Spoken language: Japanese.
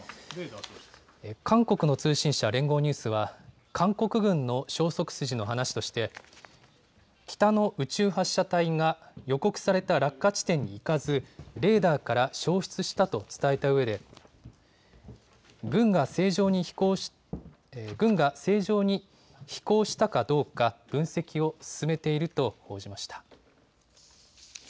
韓国の通信社、聯合ニュースは、韓国軍の消息筋の話として、北朝鮮の宇宙発射体が予告された落下地点に行かず、レーダーから消失したと伝えたうえで、軍が正常に飛行したかどうか分析を進めていると報じました。